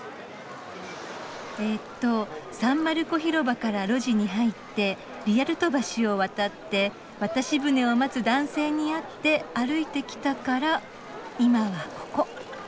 えとサン・マルコ広場から路地に入ってリアルト橋を渡って渡し舟を待つ男性に会って歩いてきたから今はここ。